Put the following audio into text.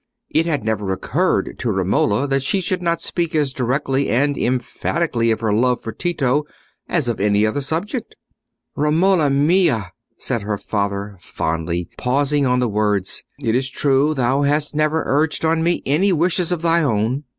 It had never occurred to Romola that she should not speak as directly and emphatically of her love for Tito as of any other subject. "Romola mia!" said her father fondly, pausing on the words, "it is true thou hast never urged on me any wishes of thy own.